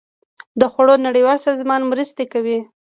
د خوړو نړیوال سازمان مرستې کوي